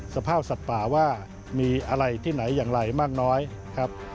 สภาพสัตว์ป่าว่ามีอะไรที่ไหนอย่างไรมากน้อยครับ